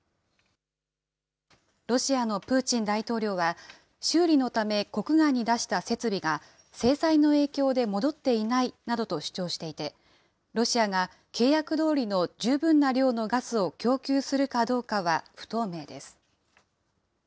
ロシアのプーチン大統領は、修理のため国外に出した設備が、制裁の影響で戻っていないなどと主張していて、ロシアが契約どおりの十分な量のガスを供給するかどうかは不透明です。